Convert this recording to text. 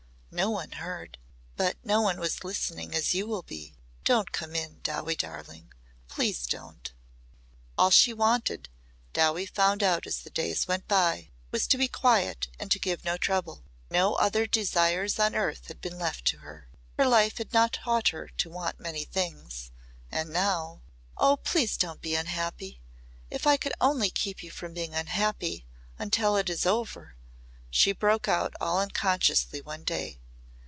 No one heard. But no one was listening as you will be. Don't come in, Dowie darling. Please don't!" All she wanted, Dowie found out as the days went by, was to be quiet and to give no trouble. No other desires on earth had been left to her. Her life had not taught her to want many things. And now : "Oh! please don't be unhappy! If I could only keep you from being unhappy until it is over!" she broke out all unconsciously one day.